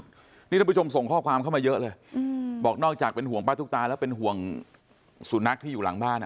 นี่ท่านผู้ชมส่งข้อความเข้ามาเยอะเลยอืมบอกนอกจากเป็นห่วงป้าตุ๊กตาแล้วเป็นห่วงสุนัขที่อยู่หลังบ้านอ่ะ